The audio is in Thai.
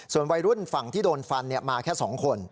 วัยรุ่นฝั่งที่โดนฟันมาแค่๒คน